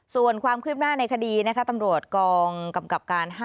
ส่วนความคืบหน้าในคดีนะคะตำรวจกองกำกับการ๕